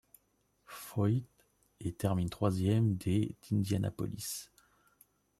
Foyt et termine troisième des d'Indianapolis.